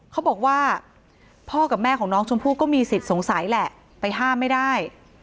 เขาบอกว่าพ่อกับแม่ของน้องชมพู่ก็มีสิทธิ์สงสัยแหละไปห้ามไม่ได้